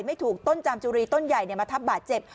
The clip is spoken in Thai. ไม่ถูกต้นจามจุรีต้นใหญ่มาทับบาดเจ็บ